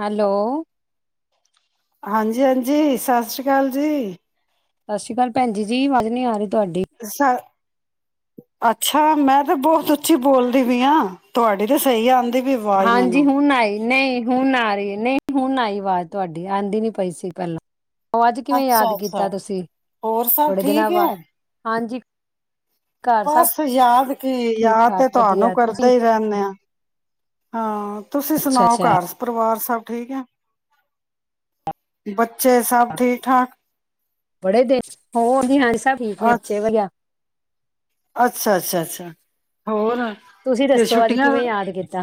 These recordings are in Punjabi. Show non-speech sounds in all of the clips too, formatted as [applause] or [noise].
ਹੈਲੋ ਹਾਂਜੀ ਹਾਂਜੀ ਸਤਿ ਸ੍ਰੀ ਕਾਲ ਜੀ ਸਤਿ ਸ੍ਰੀ ਅਕਾਲ ਭੈਣਜੀ ਜੀ ਵਾਜ ਨੀ ਆ ਰੀ ਸ [inaudible] ਅੱਛਾ ਮੈਂ ਤੇ ਬਹੁਤ ਉੱਚੀ ਬੋਲਦੀ ਪੀਆ ਤੁਹਾਡੀ ਤੇ ਸਹੀ ਆਂਦੀ ਹਾਂਜੀ ਹੁਨ ਆਏ ਨਹੀਂ ਹੁਨ ਆ ਰਹੀ ਨਹੀਂ ਹੁਨ ਆਈ ਆਵਾਜ਼ ਤੁਹਾਡੀ ਆਂਦੀ ਨੀ ਪਈ ਸੀ ਪਹਿਲਾਂ ਉਹ ਅੱਜ ਕਿਵੇਂ ਯਾਦ ਅੱਛਾ-ਅੱਛਾ ਕੀਤਾ ਤੁਸੀਂ ਹੋਰ ਸਭ ਬੜੇ ਦਿਨਾਂ ਠੀਕ ਬਾਅਦ ਹੈ। ਹਾਂਜੀ ਘਰ ਸਭ ਬਸ ਯਾਦ ਕੀ ਠੀਕ ਯਾਦ ਤੇ ਠਾਕ ਤੁਹਾਨੂੰ ਵਧੀਆ ਕਰਦੇ ਤੁਸੀਂ ਈ ਰਹਿੰਨੇ ਆ ਹਾਂ ਤੁਸੀਂ ਅੱਛਾ ਸੁਨਾਓ ਅੱਛਾ ਘਰ ਪਰਿਵਾਰ ਸਭ ਠੀਕ ਏ ਬੱਚ ਬੜੇ ਦਿਨ ਹੋਦੀ ਹਣੀ ਸਭ ਠੀਕ ਮਿਰਚੇ ਵਗ [inaudible] ਅੱਛਾ ਅੱਛ ਅੱਛ ਹੋਰ ਤੁਸੀਂ ਜੇ ਦੱਸੋ ਅੱਜ ਛੁੱਟੀਆਂ ਕਿਵੇਂ ਯਾਦ ਕੀਤਾ।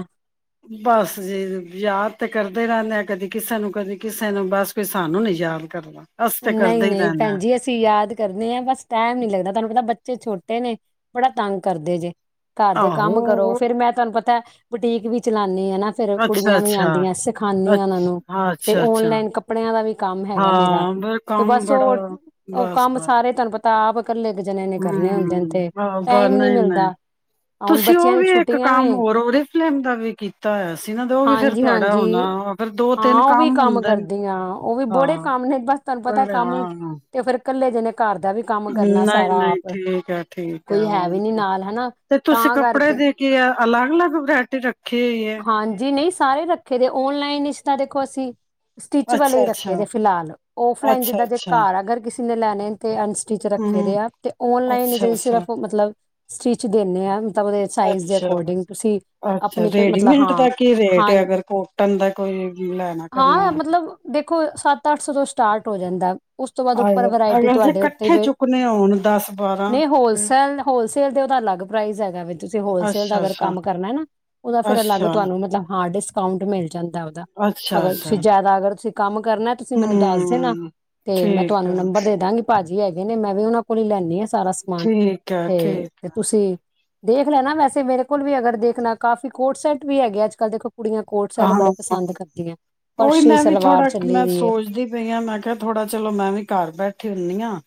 ਬਸ ਜੇ ਯਾਦ ਤੇ ਕਰਦੇ ਕਰਦੇ ਰਹਿੰਦੇ ਆ। ਕਦੀ ਕਿਸੇ ਨੂੰ ਕਦੀ ਕਿਸੇ ਨੂੰ ਬਸ ਕੋਈ ਸਾਨੂੰ ਨੀ ਯਾਦ ਕਰਦਾ। ਅਸੀਂ ਤੇ ਨਹੀਂ, ਕਰਦੇ ਹੀ ਨਹੀਂ। ਰਹਿੰਦੇ ਭੈਨ ਹਾਂ ਜੀ। ਅਸੀਂ ਯਾਦ ਕਰਨੇ ਆ। ਬਸ ਟਾਈਮ ਨੀ ਲੱਗਦਾ ਤੁਹਾਨੂੰ ਪਤਾ--ਬ ਬੱਚੇ ਛੋਟੇ ਨੇ ਬੜਾ ਤੰਗ ਕਰਦੇ ਜੇ। ਘਰ ਦੇ ਕੰਮ ਕਰੋ ਆਹੋ ਫੇਰ ਮੈਂ ਤੁਹਾਨੂੰ ਪਤ ਤਾਂ ਬੁਟੀਕ ਵੀ ਚਲਾ--ਤ ਨੀ ਆ। ਫੇਰ ਅੱਛਾ ਕੁੜੀਆਂ ਵੀ ਅੱਛਾ ਆਉਂਦੀਆਂ। ਸਿਖਾਨੀ ਆ ਅੱਛ ਉਹਨਾਂ ਨੂੰ। ਹਾਂ ਫਿਰ ਅੱਛਾ ਅੱਛਾ ਓਨਲਾਈਨ ਕੱਪੜਿਆਂ ਦਾ ਵੀ ਕੰਮ ਹੈਗਾ ਮੇਰਾ। ਹਾਂ ਬ ਤੇ ਕੰਮ ਬਸ ਬੜਾ ਉਹ ਉਹ ਕੰਮ ਸਾਰੇ ਤੁਹਾਨੂੰ ਪਤ ਕਿਤਾਬ। ਹੁ ਆਹੋ ਬਨ ਟਾਈਮ ਨੀ ਨਹੀਂ ਮਿਲਦਾ ਨਈ ਹੁਣ ਤੁਸੀਂ ਬੱਚਿਆਂ ਉਹ ਦੀ ਵੀ ਇੱਕ ਛੁੱਟੀਆਂ ਵੇ ਕੰਮ ਹੋਰ ੳਰੀ ਫਰੇਮ ਦਾ ਵੀ ਕੀਤਾ ਹੋਇਆ ਸੀ ਨਾ ਤੇ ਉਹ ਵੀ ਫਿਰ ਹਾਂਜੀ ਤੁਹਾਡਾ ਹਾਂਜੀ ਹੋਣਾ ਫਿਰ ਦੋ ਹਾਂ ਤਿੰਨ ਉਹ ਵੀ ਕੰਮ ਹੁੰਦੇ ਨੇ। ਕਰਦੀਆਂ ਉਹ ਵੀ ਬੜੇ ਹਾਂ। ਕੰਮ ਨੇ ਬਸ ਤੁਹਾਨੂੰ ਪਤਾ ਕੰਮ ਤੇ ਫੇਰ ਕੱਲੇ ਜਨੇ ਘਰ ਦਾ ਵੀ ਕੰਮ ਕਰਨਾ ਨਈ, ਸਾਰਾ ਨਈ ਆਪ ਠੀਕ ਏ। ਠੀਕ ਏ। ਕੋਈ ਹੈ ਉਹ ਵੀ ਨੀ ਨਾਲ ਹਨਾ ਤੇ ਤੁਸੀਂ ਤਾਂ ਕੱਪੜੇ ਕਰਕੇ ਦੇ ਕੇ ਆ- ਅਲਗ ਅਲਗ ਵੈਰਾਇਟੀ ਰੱਖ ਹਾਂਜੀ, ਨਹੀਂ ਸਾਰੇ ਰੱਖੇ ਦੇ ਔਨਲਾਈਨ ਰਿਸ਼ਤਾ ਦੇਖੋ ਅਸੀਂ ਸਟਿਚ ਵਾਲੇ ਅੱਛਾ-ਅੱਛਾ, ਰੱਖੇ ਜ ਫਿਲਹਾਲ ਔਫਲਾਈਨ ਜਿੱਦਾਂ ਜੇ ਅੱਛਾ-ਅੱਛਾ। ਘਰ ਅਗਰ ਕਿਸੇ- ਲੈਣੇ ਨੇ ਤੇ ਟੀ ਰੱਖੇ ਹੂੰ। ਦੇ ਆ ਤੇ ਓਨਲਾਈਨ ਜੀ ਅੱਛਾ-ਅੱਛਾ, ਸਿਰਫ ਮਤਲਬ ਸਟਿਚ ਦਿੰਦੇ ਹਾਂ। ਮਤਲਬਦੇ ਚਾਈਜ਼ ਦੇ ਅਕੋਰਡਿੰਗ ਤੁਸੀਂ ਆਪਣੀ। ਮਤਲਬ ਲੀਮਿੰਟ ਹਾਂ ਦਾ ਕੀ ਰੇਟ ਹਾਂ ਹੈ। ਅਗਰ ਕੋਟਨ ਦਾ ਕੋਈ ਲੈਣਾ ਕਰਨਾ। ਹਾਂ ਮਤਲਬ ਦੇਖੋ, ਸੱਤ ਅੱਠ ਸੌ ਤੋਂ ਸਟਾਰਟ ਹੋ ਜਾਂਦਾ। ਉਸ ਤੋਂ ਬਾਅਦ ਉੱਪਰ ਵਰਾਇਟੀ ਅਗਰ ਜੇ ਤੁਹਾਡੇ ਉੱਤੇ ਇਕੱਠੇ ਚੁੱਕਣੇ ਹੋਣ ਦਸ-ਬਾਰਾਂ ਨਹੀਂ ਫਿਰ ਹੋਲਸ ਹੋਲਸੇਲ ਉਹਦਾ ਅਲੱਗ ਪ੍ਰਾਈਸ ਹੈਗਾ। ਤੁਸੀਂ ਹੋਲਸੇਲ ਦਾ ਅਗ ਅੱਛਾ-ਅੱਛਾ, ਕੰਮ ਕਰਨਾ ਨਾ। ਤਾਂ ਫਿਰ ਅਲੱਗ ਅੱਛਾ, ਤੁਹਾਨੂੰ ਮਤਲਬ ਹਾਂ, ਡਿਸਕਾਊਂਟ ਮਿਲ ਜਾਂਦਾ। ਉਹਦਾ ਅਗਰ ਅੱਛਾ-ਅੱਛਾ। ਤੁਸੀਂ ਜਿਆਦਾ ਅਗਰ ਤੁਸੀਂ ਕੰਮ ਕਰਨਾ। ਤੁਸੀਂ ਮੈਨੂੰ ਦੱਸ ਦੇ ਨਾ ਹੂੰ, ਤੇ ਮੈਂ ਠੀਕ ਆ, ਤੁਹਾਨੂੰ ਨੰਬਰ ਦੇ ਦਾਂਗੀ ਭਾਜੀ ਹੈਗੇ ਨੇ ਮੈਂ ਵੀ ਉਹਨਾਂ ਕੋਲ ਹੀ ਲੈ ਆ ਸਾਰਾ ਸਮਾਨ ਠੀਕ ਆ, ਠੀਕ ਤੇ ਆ। ਤੁਸੀਂ ਦੇਖ ਲੈਣਾ ਵੈਸੇ ਮੇਰੇ ਕੋਲ ਵੀ ਅਗਰ ਦੇਖਣਾ ਕਾਫੀ ਕੋਰਟ ਸੈਟ ਵੀ ਹੈਗੇ। ਅੱਜ ਕੱਲ੍ਹ ਦੇਖੋ ਕੁੜੀਆਂ ਕੋਟ ਸੈਟ ਹਾਂ ਬੜੇ ਪਸੰਦ ਕਰਦੀਆਂ ਉਹੀ ਫਰਸ਼ੀ ਮੈਂ ਵੀ ਸਲਵਾਰ ਥੋੜਾ ਚੱਲੀ ਮੈਂ ਦੀ ਏ ਸੋਚਦੀ ਪਈ ਆਾਂ ਮੈਂ ਕਿਹਾ ਥੋੜਾ ਚਲੋ ਮੈਂ ਵੀ ਘਰ ਬੈਠੀ ਹੁੰਦੀ ਹਾਂ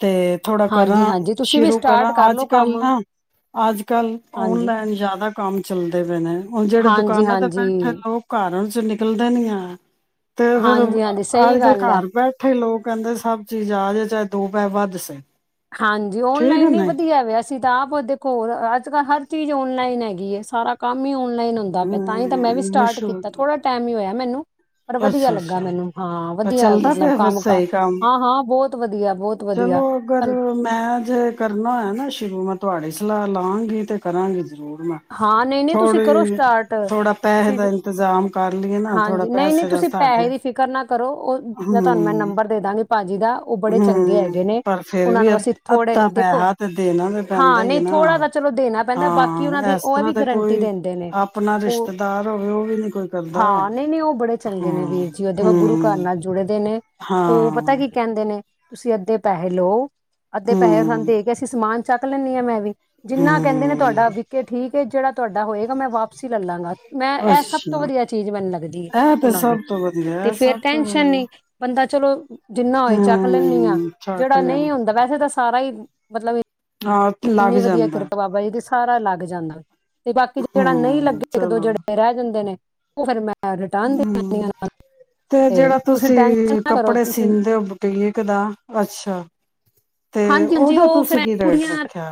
ਤੇ ਥੋੜਾ ਹਾਂਜੀ ਕਰਾਂ ਹਾਂਜੀ ਤੁਸੀਂ ਵੀ ਸ਼ੁਰੂ ਸਟਾਰਟ ਕਰਾਂ ਕਰ ਅੱਜ ਲਓ ਕੱਲ ਕੰਮ ਨਾ ਅੱਜ ਕੱਲ ਹਾਂਜੀ ਓਨਲਾਈਨ ਜ਼ਿਆਦਾ ਕੰਮ ਚੱਲਦੇ ਪਏ ਨੇ ਹੁਣ ਜਿਹੜੇ ਹਾਂਜੀ ਦੁਕਾਨਾਂ ਤੇ ਪੈ ਹਾਂਜੀ ਥ ਉਹ ਕਾਰਨ ਚੋ ਨਿਕਲਦਾ ਨੀ ਆ ਤੇ ਫਿਰ ਹਾਂਜੀ ਹਾਂਜੀ ਸਹੀ ਅੱਜ ਕੱਲ ਗੱਲ ਹੈ ਘਰ ਬੈਠੇ ਲੋਕ ਕਹਿੰਦੇ ਸਭ ਚੀਜ਼ ਆ ਜੇ ਚਾਹੇ ਦੋ ਪੈ ਵੱਧ ਸੇ ਹਾਂਜੀ ਠੀਕ ਹੈ ਔਨਲਾਈਨ ਨ ਨਹੀਂ ਵਧੀਆ ਵਆ ਅਸੀਂ ਤਾਂ ਆਪ ਉਹਦੇਖੋਲ ਅੱਜ ਕੱਲ੍ਹ ਹਰ ਚੀਜ਼ ਔਨਲਾਈਨ ਹੈਗੀਏ ਸਾਰਾ ਕੰਮ ਹੀ ਨ ਹੁੰਦਾ ਪਿਆ ਤਾਂ ਹੀ ਤਾਂ ਮੈਂ ਵੀ ਹਮ ਸਟਾਰਟ ਕੀਤਾ ਮਸ਼ਹੂਰ ਥੋੜਾ ਟਾਈਮ ਹੀ ਹੋਇਆ ਮੈਨੂੰ ਪਰ ਵਧੀਆ ਅੱਛਾ ਲੱਗਾ ਅੱਛਾ ਮੈਨੂੰ ਹਾਂ ਵਧੀਆ ਚੱਲਦਾ ਮਤਲਬ ਪਿਆ ਫਿਰ ਕੰਮ ਕਾਰ ਸਹੀ ਕੰਮ ਹਾਂ ਹਾਂ ਬਹੁਤ ਵਧੀਆ ਬਹੁਤ ਚਲੋ ਵਧੀਆ ਅਗਰ ਤੁਹਾਨੂੰ- ਮੈਂ ਜੇ ਕਰਨਾ ਹੋਏ ਨਾ ਸ਼ੁਰੂ ਮੈਂ ਤੁਹਾਡੇ ਸਲਾਹ ਲਾਗੀ ਤੇ ਕਰਾਂਗੇ ਜ਼ਰੂਰ ਨਾ ਹਾਂ ਨਹੀਂ ਨਹੀਂ ਤੁਸੀਂ ਕਰੋ ਥੋੜ੍ਹੀ ਸਟਾਰਟ ਥੋੜਾ ਪੈਸੇ ਤੁਸੀਂ ਦਾ ਇੰਤਜ਼ਾਮ ਕਰ ਲਈਏ ਨਾ ਥੋੜਾ ਹਾਂਜੀ ਨਹੀਂ ਨਹੀਂ ਪੈਸੇ ਦਾ ਤੁਸੀਂ ਸਾਡੇ ਪੈਸੇ ਦੀ ਫਿਕਰ ਨਾ ਕਰੋ ਉਹ ਜਾਂ ਤੁਹਾਨੂੰ ਮੈਂ ਹਮ ਨੰਬਰ ਦੇ ਦਾਂਗੀ ਭਾਜੀ ਦਾ ਉਹ ਬੜੇ ਚੰਗੇ ਹਮ ਹੈਗੇ ਨੇ ਪਰ ਫੇਰ ਉਹਨਾਂ ਵੀ ਨੂੰ ਅਸੀਂ ਥੋੜੇ ਅੱਧਾ ਦੇਖੋ ਪੈਸਾ ਤੇ ਦੇਣਾ ਤੇ ਪੈਂਦਾ ਹਾਂ ਹੀ ਹੈ ਨਹੀਂ ਨਾ ਥੋੜ੍ਹਾ ਤਾਂ ਚਲੋ ਦੇਣਾ ਪੈਂਦਾ ਬਾਕੀ ਉਹਨਾਂ ਹਾਂ ਦੀ ਇਸ ਤਰ੍ਹਾਂ ਵੀ ਤੇ ਗਰੰਟੀ ਕੋਈ ਦਿੰਦੇ ਨੇ ਆਪਣਾ ਉਹ ਰਿਸ਼ਤੇਦਾਰ ਹੋਵੇ ਉਹ ਵੀ ਨੀ ਕੋਈ ਕਰਦਾ ਹਾਂ ਨਹੀਂ ਨਹੀਂ ਉਹ ਬੜੇ ਚੰਗੇ ਨੇ ਵੀਰ ਜੀ ਉਹ ਦੇਖੋ ਗੁਰੂ ਘਰ ਹੂੰ ਨਾਲ ਜੁੜੇ ਨੇ ਉਹ ਪਤਾ ਕੀ ਕਹਿੰਦੇ ਨੇ ਤੁਸੀਂ ਅੱਧੇ ਪੈਸੇ ਲਓ ਅੱਧੇ ਪੈਸੇ ਸਾਨੂੰ ਹਮ ਦੇ ਕੇ ਅਸੀਂ ਸਮਾਨ ਚੱਕ ਲੈਣੀ ਆ ਮੈਂ ਵੀ ਜਿੰਨਾ ਕਹਿੰਦੇ ਨੇ ਹਮ ਤੁਹਾਡਾ ਵਿਕਟ ਜਿਹੜਾ ਤੁਹਾਡਾ ਹੋਏਗਾ ਮੈਂ ਵਾਪਸੀ ਲੈਲਾਂਗਾ। ਮੈਂ ਇਹ ਸਭ ਤੋਂ ਅੱਛਾ ਵਧੀਆ ਚੀਜ਼ ਮੈਨੂੰ ਲੱਗਦੀ ਹੈ ਇਹ ਤੇ ਉਹਨਾਂ ਦੀ ਸਭ ਤੋਂ ਤੇ ਵਧੀਆ ਫੇਰ ਸਭ ਤੋਂ ਟੈਨਸ਼ਨ ਵਧੀਆ ਨੀ ਬੰਦਾ ਚਲੋ ਜਿੰਨਾ ਹੋਏ ਚੱਕ ਲੈਣੀ ਹਾਂ ਹਮ ਚੱਕ ਜਿਹੜਾ ਲਿਆ ਨਹੀਂ ਹੁੰਦਾ ਵੈਸੇ ਤਾਂ ਸਾਰਾ ਹੀ ਮਤਲਬ ਹਾਂ ਲੱਗ ਇੰਨੀ ਵਧੀਆ ਜਾਂਦਾ ਕਿਰਪਾ ਬਾਬਾ ਜੀ ਦੀ ਸਾਰਾ ਲੱਗ ਜਾਂਦਾ ਤੇ ਬਾਕੀ ਜਿਹੜਾ ਨਹੀਂ ਹਮ ਲੱਗੇ ਇੱਕ ਦੋ, ਜਿਹੜੇ ਰਹਿ ਜਾਂਦੇ ਨੇ ਉਹ ਫ਼ਿਰ ਮੈਂ ਰਿਟਰਨ ਦੇ ਦਿੰਦੀ ਹਾਂ ਹੂੰ ਤੇ ਜਿਹੜਾ ਟੈਨਸ਼ਨ ਤੁਸੀਂ ਨਾ ਕਰੋ ਕੱਪੜੇ ਤੁਸੀਂ ਸਿੰਦੇ ਹੋ ਬੁਟੀਕ ਦਾ, ਅੱਛਾ। ਤੇ ਹਾਂਜੀ ਹਾਂਜੀ ਉਹਦਾ ਉਹ ਫਿਰ ਤੁਸੀਂ ਏ ਕੀ ਰੇਟ ਕੁੜੀਆਂ ਰੱਖਿਆ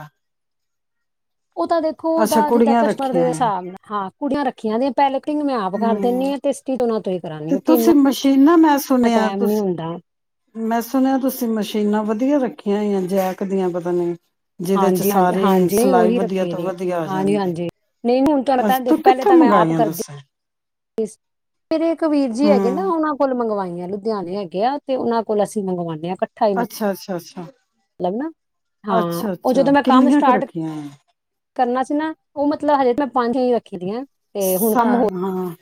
ਉਹ ਤਾਂ ਦੇਖੋ ਅੱਛਾ ਉਹਦਾ ਜਿੱਦਾਂ ਕੁੜੀਆਂ ਕਸ਼ਟਮਰ ਰੱਖੀਆਂ ਦੇ ਆ ਹਿਸਾਬ ਨਾਲ, ਹਾਂ ਕੁੜੀਆਂ ਰੱਖੀਆਂ ਨੇ ਆਂ ਪਹਿਲੇ ਕਟਿੰਗ ਮੈਂ ਆਪ ਕਰ ਹਮ ਦਿੰਨੀ ਆ, ਤੇ ਸਟਿਚਿੰਗ ਉਹਨਾਂ ਤੋਂ ਹੀ ਕਰਾਨੀ ਤੇ ਕਿਉਂਕਿ ਤੁਸੀਂ ਇੰਨਾ ਮਸ਼ੀਨਾਂ ਮੈਂ ਸੁਣਿਆ ਟਾਈਮ ਨਹੀਂ ਤੁਸੀਂ, ਹੁੰਦਾ ਮੈਂ ਸੁਣਿਆ, ਤੁਸੀਂ ਮਸ਼ੀਨਾਂ ਵਧੀਆ ਵਧੀਆਂ ਰੱਖੀਆਂ ਹੋਈਆ, ਜੈਕ ਦੀਆਂ ਪਤਾ ਨਹੀਂ ਹਾਂਜੀ ਹਾਂਜੀ ਹਾਂਜੀ ਓਹੀ ਰੱਖੀਆ ਤੋਂ ਗੀਆਂ, ਵਧੀਆ ਆ ਹਾਂਜੀ ਜਾਂਦੀ ਹਾਂਜੀ ਨਹੀਂ ਹੁਣ ਅੱਛਾ ਤੁਹਾਨੂੰ ਤੂੰ ਦੇਖ ਪਹਿਲੇ ਕਿੱਥੋਂ ਤਾਂ ਮੈਂ ਆਪ ਮੰਗਾਈਆਂ ਕਰਦੀ ਦੱਸੇ ਇਸ ਮੇਰੇ ਇੱਕ ਵੀਰ ਜੀ ਹੈਗੇ ਨਾ, ਹੂੰ, ਉਹਨਾਂ ਕੋਲ ਮੰਗਵਾਈਆ। ਲੁਧਿਆਣੇ ਹੈਗੇ ਆ, ਤੇ ਉਹਨਾਂ ਕੋਲ ਅਸੀਂ ਮੰਗਵਾਣੇ ਹਾਂ। ਇਕੱਠਾ ਹੀ ਅੱਛਾ-ਅੱਛਾ-ਅੱਛਾ, ਮਤਲਬ ਨਾ ਹਾਂ। ਉਹ ਜਦੋਂ ਅੱਛਾ ਮੈਂ ਕੰਮ ਕਿੰਨੀਆਂ ਕੁ ਸਟਾਰਟ ਰੱਖੀਆਂ ਆਂ। ਕਰਨਾ ਸੀ ਨਾ ਉਹ ਮਤਲਬ ਹਜੇ ਮੈਂ ਪੰਜ ਹੀ ਰੱਖੀ ਦੀ ਐਂ। ਸਾ ਹਾਂ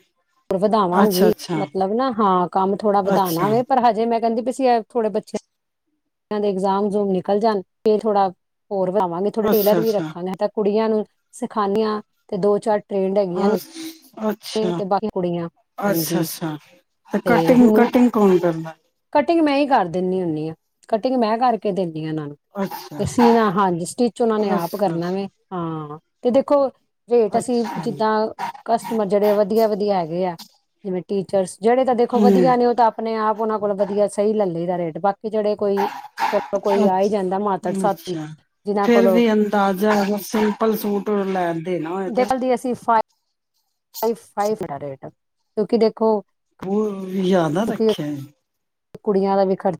ਹੋਰ ਵਧਾਵਾਂਗੀ, ਅੱਛਾ-ਅੱਛਾ, ਮਤਲਬ ਨਾ ਹਾਂ ਕੰਮ ਥੋੜਾ ਵਧਾਣਾ ਅੱਛਾ, ਵੇ ਪਰ ਹਜੇ ਮੈਂ ਕਹਿੰਦੇ ਵੀ ਸੀ ਏ ਥੋੜੇ ਬੱਚਿਆਂ ਦੇ ਇਗਜ਼ਾਮ ਇਗਜੂਮ ਨਿਕਲ ਜਾਣ, ਫ਼ੇਰ ਥੋੜ੍ਹਾ ਹੋਰ ਵਧਾਵਾਂਗੇ ਥੋੜੇ ਟੇਲਰ ਵੀ ਅੱਛਾ-ਅੱਛਾ। ਰੱਖਾਂਗੇ, ਮੈਂ ਤਾਂ ਕੁੜੀਆਂ ਨੂੰ ਸਿਖਾਂਦੀਆਂ ਤੇ ਦੋ ਚਾਰ ਟ੍ਰੇਨਡ ਹੈਗੀਆਂ ਅੱਛ ਅ ਨੇ ਅੱਛਾ, ਤੇ ਬਾਕੀ ਕੁੜੀਆਂ ਅੱਛਾ, ਹਾਂਜੀ ਅੱਛਾ ਤੇ ਕਟਿੰਗ-ਕਟਿੰਗ ਕੌਣ ਕਰਦਾ। ਕਟਿੰਗ ਵੀ ਮੈਂ ਹੀ ਕਰ ਦਿੰਨੀ ਹੁੰਦੀ ਹਾਂ, ਕਟਿੰਗ ਮੈਂ ਕਰਕੇ ਦਿੰ ਦੀਆਂ ਨਾਲ਼ੋਂ ਅੱਛਾ, ਤੇ ਸੀਨਾ, ਹਾਂਜੀ ਸਟਿਚ ਉਹਨਾਂ ਨੇ ਆਪ ਕਰਨਾ ਅੱਛਾ-ਅੱਛਾ, ਵਾ ਹਾਂ। ਤੇ ਦੇਖੋ ਰੇਟ ਅਸੀਂ ਅੱਛਾ ਜੀ, ਜਿੱਦਾਂ ਕਸ ਬੜੇ ਵਧੀਆ- ਵਧੀਆ ਹੈਗੇ ਆ, ਜਿਵੇਂ ਟੀਚਰਸ ਜਿਹੜੇ ਤਾਂ ਦੇਖੋ ਹੂੰ, ਵਧੀਆ ਨੇ ਉਹ ਤਾਂ ਆਪਣੇ ਆਪ ਉਹਨਾਂ ਕੋਲ ਵਧੀਆ ਸਹੀ ਲੈ ਲਈ ਰੇਟ ਵੱਧ ਕਿ ਜਿਹੜੇ ਕੋਈ ਚਲੋ ਕੋਈ ਆ ਹੀ ਅੱਛਾ। ਜਾਂਦਾ ਮਾਤੜ ਸਾਥੀ ਅੱਛਾ, ਜਿਨਾਂ ਫੇਰ ਕੋਲੋਂ ਟ ਲੈ ਦੇਣਾ ਹੋਏ ਤੇ ਦੇਖਲਦੀ ਅਸੀਂ ਫਾਈ ਫ ਫਾਈਵ ਰੇਟ ਕਿਉਂਕਿ ਦੇਖੋ ਬਹੁ ਜ਼ਿਆਦਾ ਕਿਉਂਕਿ ਰੱਖਿਆ ਏ। ਕੁੜੀਆਂ ਦਾ ਵੀ ਖਰਚ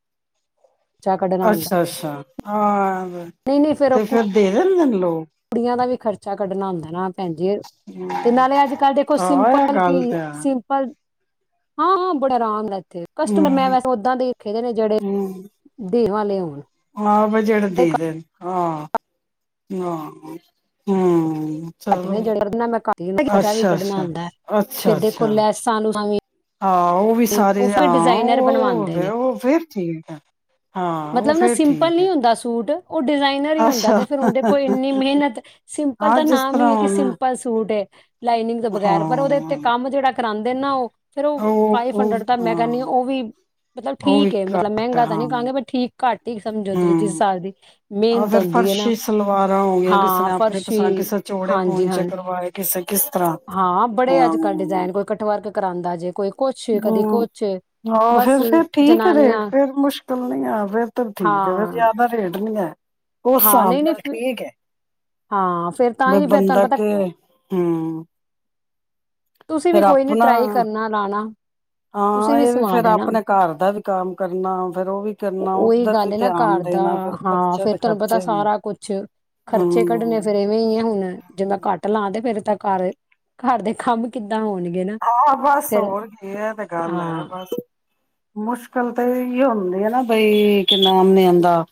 ਅੱਛਾ, ਅੱਛਾ ਆਹ ਨਹੀਂ ਨਹੀਂ ਫੇਰ ਉਹ ਤੇ ਫਿਰ ਦੇ ਦੇਂਦੇ ਨੇ ਲੋਕ ਕੁੜੀਆਂ ਦਾ ਵੀ ਖਰਚ ਚਾ ਕੱਢਣਾ ਹੁੰਦਾ ਨਾ। ਭੈਣਜੀ ਤੇ ਨਾਲੇ ਅੱਜ- ਕੱਲ੍ਹ ਦੇਖੋ, ਹਾਂ ਇਹ ਸਿੰਪਲ ਕੀ ਗੱਲ ਤੇ ਹੈ ਸਿੰਪਲ ਹਾਂ ਹਾਂ ਬੜੇ ਆਰਾਮ ਨਾਲ ਕਸਟਮਰ ਮੈਂ ਹਮ ਵੈਸੇ ਉਦਾਂ ਦੇ ਦੇਖੇ ਦੇ ਨੇ ਜਿਹੜੇ ਹਮ ਦੇਹਾਂ [unintelligible] ਹਾਂ ਬਈ [unintelligible] ਜਿਹੜਾ ਦੇ ਦੇਣ। ਹਾਂ। ਹਾਂ। ਹੂੰ। ਕੱਟ ਨੇ ਜਿਹੜੇ। ਮੈਂ ਕੱ ਖਰਚਾ ਵੀ ਕੱਢਣਾ ਅੱਛਾ ਆਉਂਦਾ ਅੱਛਾ ਫੇਰ ਦੇ ਕੋ ਅੱਛਾ ਲੈਸਾਂ ਵੀ [unintelligible] ਹਾਂ, ਉਹ ਵੀ ਸਾਰੇ ਉਹ ਫਿਰ ਹਾਂ। ਡਿਜ਼ਾਇਨਰ ਉਹ ਬਣਵਾਉਂਦੇ ਫੇਰ ਨੇ ਉਹ ਫਿਰ ਠੀਕ ਹੈ ਹਾਂ ਉਹ ਮਤਲਬ ਨਾ ਫਿਰ ਸਿੰਪਲ ਠੀਕ ਹੈ। ਨਹੀਂ ਹੁੰਦਾ ਸੂਟ ਉਹ ਡਿਜ਼ਾਇਨਰ ਹੀ ਹੁੰਦਾ ਅੱਛਾ ਤੇ ਫਿਰ ਉਹਦੇ ਕੋਲ ਇੰਨੀ ਮਿਹਨਤ ਸਿੰਪਲ ਹਾਂ ਤਾਂ ਜਿਸ ਨਾਮ ਹੀ ਤਰ੍ਹਾਂ ਹੈ ਕਿ ਹੁਣ ਸਿੰਪਲ ਸੂਟ ਏ। ਲਾਈਨਿੰਗ ਦੇ ਬਗੈਰ ਪਰ ਉਹਦੇ ਉਤੇ ਹਾਂ ਕੰਮ ਜਿਹੜਾ। ਕਰਾਂਦੇ ਨਾ ਉਹ ਫਿਰ ਉਹ। ਫੰਡ ਉਹ [unintelligible] ਮੈਂ ਕਹਿੰਨੀ ਆ ਹਾਂ ਉਹ ਵੀ ਮਤਲ ਉਹ ਵੀ ਠੀਕ ਹੈ ਮਤਲਬ ਘੱਟ ਮਹਿੰਗਾ ਹਾਂ ਤਾਂ ਨੀ ਕਹਾਂਗੇ। ਪਰ ਠੀਕ ਘੱਟ ਹੀ ਸਮਝੋ ਤੁਸੀਂ ਹਮ ਹਿਸਾਬ ਦੀ ਆ ਮਿਹਨਤ ਫਿਰ ਹੁੰਦੀ ਹੈ ਨਾ ਫਰਸ਼ੀ ਸਲਵਾਰਾਂ ਹੋ ਗਈਆਂ ਕਿਸੇ ਹਾਂ ਨੇ ਆਪਣੇ ਫਰਸ਼ੀ। ਪਸੰਦ ਕਿਸੇ ਚੋੜੇ ਹਾਂਜੀ। ਪੋਂਚੇ ਹਾਂਜੀ। ਕਰਵਾਏ ਕਿਸੇ ਕਿਸ ਤਰ੍ਹਾਂ ਹਾਂ ਬੜੇ ਹਾਂ ਅੱਜ ਕੱਲ ਡਿਜ਼ਾਇਨ ਕੋਈ ਕਟਵਰਕ ਕਰਾ ਹੂੰਦਾ ਜੇ ਕੋਈ ਹੂੰ। ਆਹ ਬਸ ਫਰ ਫਿਰ ਠੀਕ ਐ ਜਨਾਨੀਆਂ ਰੇਟ ਫੇਰ ਮੁਸ਼ਕਿਲ ਨੀ ਆ ਫੇਰ ਤੇ ਠੀਕ ਆ ਫਰ ਹਾਂ ਜ਼ਿਆਦਾ ਰੇਟ ਨੀ ਹੈ। ਉਸ ਹਾਂ ਹਿਸਾਬ ਨਹੀਂ ਨਹੀਂ ਨਾਲ ਫਿਰ- ਠੀਕ ਹੈ। ਹਾਂ ਫੇਰ ਤਾਂ ਬਈ ਹੀ ਫੇਰ ਬੰਦਾ ਤੁਹਾਨੂੰ ਪਤਾ ਕੇ। ਹੂੰ। ਤੁਸੀਂ ਵੀ ਕੋਈ ਨੀ ਟਰਾਈ ਕਰਨਾ ਲਾਣਾ। ਤੁਸੀਂ ਹਾਂ ਵੀ ਇਹ ਸਵਾਂ ਫਿਰ ਦੇਨਾ ਆਪਣੇ ਘਰ ਦਾ ਵੀ ਕੰਮ ਕਰਨਾ ਫਿਰ ਉਹ ਵੀ ਕਰਨਾ ਉਹੀ ਉੱਧਰ ਵੀ ਗੱਲ ਨਾ। ਧਿਆਨ ਘਰ ਦਾ ਦੇਣਾ ਫਿਰ ਹਾਂ ਖਰਚੇ ਫੇਰ ਤੇ ਤੁਹਾਨੂੰ ਪਤਾ ਖਰਚੇ ਹੀ ਹੈ ਸਾਰਾ ਕੁਛ ਖਰਚੇ ਕੱਢਣੇ ਹਮ ਫੇਿਰ ਇਵੇਂ ਹੀ ਹੈ ਹੁਣ ਜੇ ਮੈਂ ਘੱਟ ਲਾ ਤੇ ਫਿਰ ਤ ਘਰ ਘਰ ਦੇ ਕੰਮ ਹੋਣਗੇ ਨਾ ਹਾਂ। ਬਸ ਫੇਰ ਹੋਰ ਕੀ ਹੈ ਤੇ ਗੱਲ ਹਾਂ ਹੈ ਬਸ ਮੁਸ਼ਕਿਲ ਤੇ ਇਹਿਓ ਹੁੰਦੀ ਹੈ ਨਾ ਬਈ ਕਿੰਨਾ ਆਮ ਨ ਆਉਂਦਾ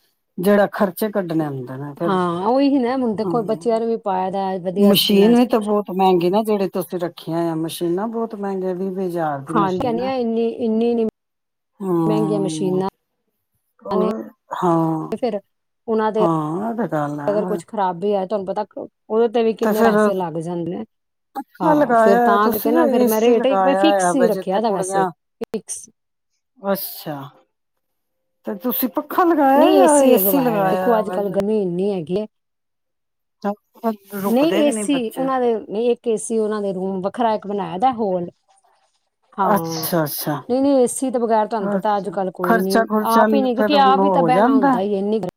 ਜਿਹੜਾ ਖਰਚੇ ਕੱਢਣੇ ਹੁੰਦੇ। ਨੇ ਫਿਰ ਹਾਂ, ਉਹੀ ਹੀ ਨਾ ਹੁਣ ਹਾਂ ਦੇਖੋ ਬੱਚਿਆਂ ਨੂੰ ਵੀ ਪਾਇਆ ਦਾ। ਵਧੀਆ ਸਕੂਲਾਂ ਮਸ਼ੀਨ ਵੀ ਚ ਤਾਂ ਬਹੁਤ ਮਹਿੰਗੀ ਨਾ ਜਿਹੜੇ ਤੁਸੀਂ ਰੱਖੀਆਂ ਆ ਮ [unintelligible] ਨਾ ਬਹੁਤ ਮਹਿੰਗਿਆ ਵੀ [unintelligible] ਹਾਂਜੀ ਕਹਿੰਦੀਆਂ ਇਨੀ ਇੰਨੀ ਮਹਿੰਗੀਆਂ ਮਸ਼ੀਨਾਂ? ਨੇ ਹੋਰ ਹਾਂ ਫਿਰ ਉਹਨਾਂ ਦੇ ਹਾਂ ਇਹ ਤੇ ਗੱਲ ਅਗਰ ਹੈ ਕੁਛ ਖ਼ਰਾਬ ਵੀ ਹੈ ਦੰਨਪ ਦਾਖੋ [unintelligible] ਉਹਦੇ ਤੇ ਵੀ ਕਿੰਨੇ ਪੈਸੇ ਲੱਗ ਜਾਂਦੇ ਅ ਮੈਂ ਹਾਂ ਫੇਿਰ ਤਾਂ ਲਗਾਇਆ ਕਰਕੇ ਤੁਸੀਂ ਫਿਰ ਮੈਂ ਏਸੀ ਰੇਟ ਇੱਕ ਲਗਾਇਆ ਆ ਫਿਕਸ ਹੀ ਵਾ ਰੱਖਿਆ ਜਿੱਥੇ ਵੈਸੇ ਕੁੜੀਆਂ ਫਿਕਸ। ਅੱਛਾ ਤੇ ਤੁਸੀਂ ਪ ਨਹੀਂ ਏਸੀ ਹੈ ਲਵਾਇਆ ਦੇਖੋ ਅੱਜ ਵਾ ਕੱਲ ਗਰਮੀ ਇੰਨੀ ਹੈਗੀ ਏ ਨਹੀਂ ਰੁਕਦੇ ਵੀ ਨੀ ਏਸੀ ਬੱਚੇ ਉਹਨਾਂ ਦੇ ਨਹੀਂ ਇੱਕ ਏਸੀ ਉਹਨਾਂ ਦੇ ਰੂਮ ਵੱਖਰਾ ਬਨਾ [unintelligible] ਦਾ ਹੋਲ ਹਾਂ ਅੱਛਾ ਅੱਛਾ ਨਹੀਂ ਨਹੀਂ ਏਸੀ ਤੋਂ ਬਗੈਰ ਤੁਹਾਨੂੰ ਪਤਾ ਅੱਜ ਅੱਛਾ ਕੱਲ ਕੋਈ ਨੀ ਖਰਚਾ ਖੁਰਚਾ ਆਪ ਹੀ ਨਹੀਂ ਫੇਰ ਕਿਉਂਕਿ ਆਪ ਹੀ ਕਹਿਣਾ ਹੁੰਦਾ ਹੈ ਏ ਇੰਨੀ ਗ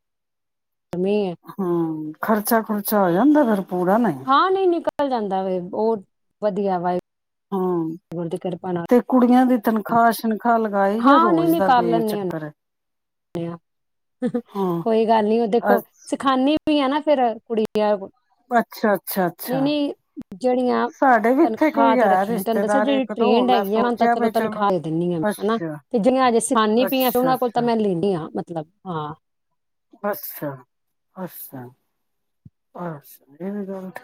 ਹਮ ਖਰਚਾ ਖੁਰਚਾ ਹੋ ਜਾਂਦਾ ਫਿਰ ਪੂਰਾ ਨਹੀਂ ਨਿਕਲ ਜਾਂਦਾ ਵ ਬਹੁਤ ਵਧੀਆ ਵਾਏ ਹਾਂ ਤੇ ਕੁੜੀਆਂ ਦੀ ਤਨਖਾਹ ਸ਼ਨਖਾ ਅੱਖਾ ਲਗਾਏ ਜਾਂ ਹਾਂ ਨਹੀਂ ਰੋਜ਼ ਨਹੀਂ ਦਾ ਕਰ ਕੋਈ ਲੈਂਦੇ ਚੱਕਰ ਹੁੰਦੇ ਏ ਕੋਈ ਗੱਲ ਨੀ ਉਹ ਅ ਦੇਖੋ ਸਿਖਾਨੀ ਵੀ ਹਨਨਾ ਫੇਰ ਕੁੜੀ ਅੱਛਾ ਅੱਛਾ ਅੱਛਾ ਨਹੀਂ ਨਹੀਂ ਜਿਹੜੀਆਂ ਸਾਡੇ ਵੀ ਇੱਥੇ ਤਨਖਾਹ ਕੋਈ ਤੇ ਹੈ ਰੱਖੀਆਂ ਤੁਨੂੰ ਦੱਸਿਆ ਰਿਸ਼ਤੇਦਾਰ ਜਿਹੜੀ ਇੱਕ ਦੋ ਟ੍ਰੇਡ ਮੈਂ ਹੈਗੀ ਆ ਤਾਂ ਸੋਚਿਆ ਚਲੋ ਵੀ ਤਨਖਾਹ ਦੇ ਦਿੰਦੀ ਹਾ ਅੱਛਾ ਤੇ ਜਿਹੜੀਆਂ ਅਜੇ ਸਾਨੀ ਪੀਆਂ ਤੇ ਅੱਛਾ ਉਹਨਾਂ ਕੋਲ ਤਾਂ ਅੱਛਾ ਮੈਂ ਲੈਂ ਮਤਲਬ ਹਾਂ ਅੱਛਾ ਅੱਛਾ ਅ ਗਠ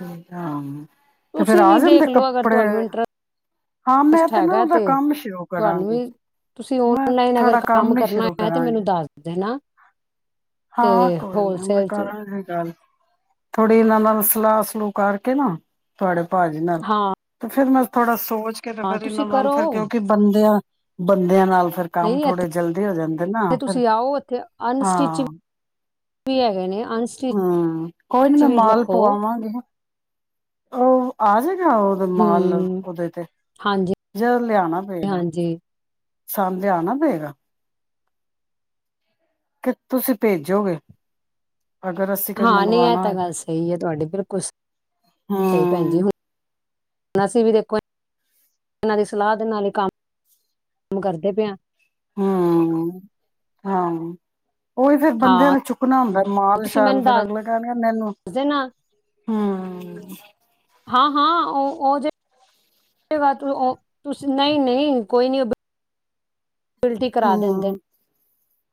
ਤੇ ਫੇਿਰ ਆ ਜਾਂਦੇ ਕੱਪੜੇ ਹਾਂ ਮੈਂ ਸਟ ਨਾ ਹੈਗਾ ਉਹਦਾ ਤੇ ਕੰਮ ਸ਼ੁਰੂ ਤੁਹਾਨੂੰ ਕਰਾਂਗੀ ਵੀ ਤੁਸੀਂ ਮੈਂ ਓਨਲਾਈਨ ਅਗਰ ਥੋੜਾ ਕੰਮ ਨੀ ਕਰਨਾ ਸ਼ੁਰੂ ਹੈ ਤੇ ਕਰਾਂਗੀ ਮੈਨੂੰ ਦੱਸ ਦੇਣਾ ਤੇ ਹਾਂ ਕੋਈ ਨੀ ਮੈਂ ਹੋਲਸੇਲ ਚ ਕਰਾਂਗੀ ਗੱਲ ਥੋੜ੍ਹੀ ਇਹਨਾਂ ਨਾਲ ਸਲਾਹ ਸਲੂਹ ਕਰਕੇ ਨਾ ਤੁਹਾਡੇ ਭਾਜੀ ਨਾਲ ਹਾਂ ਤੇ ਫੇਿਰ ਮੈਂ ਥੋੜਾ ਸੋਚ ਤੇ ਹਾਂ ਫਿਰ ਤੁਸੀਂ ਇਹਨਾਂ ਨਾਲ ਕਰੋ ਫਿਰ ਕਿਉਂਕਿ ਬੰਦਿਆਂ ਬੰਦਿਆਂ ਨਾਲ ਫੇਿਰ ਕੰਮ ਨਹੀਂ ਥੋੜੇ ਇੱਥੇ ਜਲਦੀ ਹੋ ਜਾਂਦੇ ਨਾ ਫਿਰ ਤੁਸੀਂ ਆਓ ਇੱਥੇ ਅਨਸਟਿਚ ਹਾਂ ਵੀ ਹੈਗੇ ਨੇ ਅਨਸਟਿਚ ਹੂ ਕੋਈ ਨੀ ਮੈਂ ਵੀ ਮਾਲ ਰੱਖੋ ਪਵਾਵਾਂਗੀ ਉਹ ਆ ਗਏ। ਉਹਦੇ ਹੂੰ ਮਾਲ ਦੇ ਤੇ ਹਾਂਜੀ ਜਾਕੇ ਲਿਆਣਾ ਪਏਗਾ। ਹਾਂਜੀ ਸਾਮਝ ਆਣਾ ਪਏਗਾ। ਕਿ ਤੁਸੀਂ ਭੇਜੋਗੇ। ਅਗਰ ਅਸੀਂ ਕੁਝ ਹਾਂ ਨਹੀਂ ਇਹ ਮੰਗਵਾਉਣਾ ਤਾਂ ਹੋਏ ਤੇ ਗੱਲ ਸਹੀ ਹੈ। ਤੁਹਾਡੀ ਬਿਲਕੁਲ ਸਹੀ ਭੈਣ ਜ ਹਮ ਅਸੀਂ ਵੀ ਦੇਖੋ ਇਹਨਾਂ ਦੀ ਸਲਾਹ ਦੇ ਨਾਲ ਹੀ ਕੰਮ -ਕੰਮ ਕਰਦੇ ਪਏ ਹਾ- ਹਾਂ ਉਹੀ ਫਿਰ ਬੰਦ ਹਾਂ ਨੂੰ ਚੁੱਕਣਾ ਹੁੰਦਾ ਮਾਲ ਤੁਸੀਂ ਸ਼ਾਲ ਮੈਨੂੰ ਫੇਰ ਦੱਸ ਅਗਲੇ ਕਹਿਣਗੇ ਮੈਨੂੰ ਦੇਣਾ ਹਾ- ਹ [inaudible] ਹਾਂ -ਹਾਂ -ਉਹ -ਉਹ ਜੇ ਨਹੀਂ- ਨਹੀਂ ਕੋਈ ਨਹੀ। ਬਿਲਟੀ ਕਰਾ ਦਿੰਦੇ ਨੇ ਹੂੰ,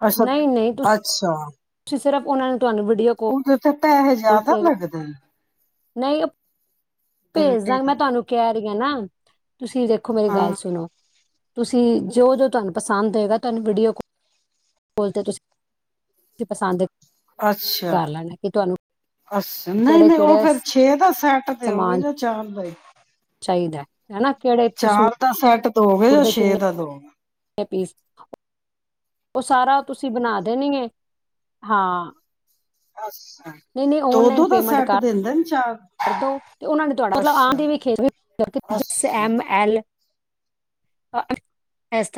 ਅੱਛਾ- ਨਹੀਂ ਨਹੀਂ ਅੱਛਾ ਤੁਸੀਂ ਸਿਰਫ ਉਹ ਨੂੰ ਤੁਹਾਨੂੰ ਵੀਡੀਓ ਕੋਲ ਪੈਹੇ ਜਿਆਦਾ ਲੱਗਦੇ ਨੇ? ਨਹੀਂ ਬਿਲਟੀ ਭੇਜਦਾਂ, ਦੇ ਮੈਂ ਤੁਹਾਨੂੰ ਕਿਹਾ ਜਾਨਾ ਤੁਸੀਂ ਦੇਖੋ, ਮੇਰੀ ਗੱਲ ਹਾਂ। ਸੁਣੋ। ਤੁਸੀਂ, ਜੋ ਜੋ ਤੁਹਾਨੂੰ ਪਸੰਦ ਹੋਏਗਾ, ਤੁਹਾਨੂੰ ਵੀਡੀਓ ਬੋਲੋ ਦੋ ਤੁਸੀਂ ਦੋ ਪਸੰਦ ਹੇ। [inaudible] ਅੱਛਾ ਅਸੀ। ਨਹੀਂ ਕਿਹੜੇ -ਨਹੀਂ ਉਹ ਕਿਹੜੇ ਫੇਰ ਛੇ ਦਾ ਸੈੱਟ ਤੇ ਹੋਵੇ, ਜਾਂ ਚਾਰ ਬਾਈ ਚਾਹੀਦੈ। ਹਨਾ ਕਿਹੜੇ ਸੂ ਦੋ ਗ ਜਾਂ ਛੇ ਦਾ ਦੋ ਗ [unintelligible] ਐ ਪੀਸ। ਉਹ, ਸਾਰਾ ਤੁਸੀਂ ਬਨਾ ਦੇਨਗੇ, ਹਾਂ। [unintelligible] ਨਹੀਂ ਔਨਲਾਈਨ ਦੋ-ਦੋ ਦਾ ਪੇਮੈਂਟ ਸੈਟ ਕਰ ਦਿੰਦੇ ਨੇ ਚਾਰ ਕਰਦੋ ਤੇ ਉਹ ਨੇ ਤੁਹਾਡਾ ਮਤਲਬ ਅੱਛਾ, ਆ [unintelligible] ਅੱਛਾ, ਐੱਮ-ਐਲ [inaudible] [unintelligible]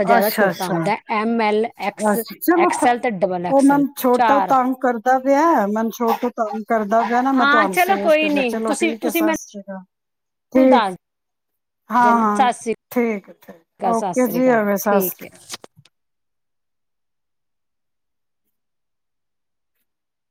ਜ਼ਿਆਦਾ ਅੱਸ਼ਾ, ਛੋਟਾ ਅੱਸ਼ਾ ਹੁੰਦਾ ਐਮ ਐਲ ਆ ਐਕਸ ਚਲੋ ਫਿਰ, ਐਕਸਲ ਤੇ ਡਬਲ ਉਹ ਐਕਸਲ ਮੈਨੂੰ ਛੋਟਾ ਚਾਰ ਤੰਗ ਕਰਦਾ ਪਿਆ। ਮੈਨੂੰ ਛੋਟਾ ਤੰਗ ਕਰਦਾ ਪਿਆ ਨਾ। ਮੈਂ ਹਾਂ ਤੁਹਾਨੂੰ ਚਲੋ ਸੋਚ ਕੋਈ ਕੇ ਨਹੀਂ ਚਲੋ ਤੁਸੀਂ ਠੀਕ ਹੈ, ਤੁਸੀਂ ਸਤਿ ਸ਼੍ਰੀ ਅਕਾਲ। ਮੈਨੂੰ ਠੀਕ, ਦੱਸ ਹਾਂ, ਦੇਣਾ ਹਾਂ, ਠੀਕ-ਠੀਕ, ਗੱਲ, ਸਤਿ ਸਤਿ ਓਕੇ। ਸ਼੍ਰੀ ਸ੍ਰੀ ਜੀ ਅਕਾਲ, ਅਵੇ ਸਤਿ ਠੀਕ ਸ੍ਰੀ ਹੈ। ਅਕਾਲ